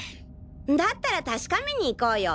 だったら確かめに行こうよ。